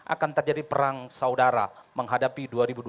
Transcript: akan terjadi perang saudara menghadapi dua ribu dua puluh